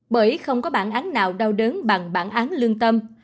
bởi không có bản án nào đau đớn bằng bản án lương tâm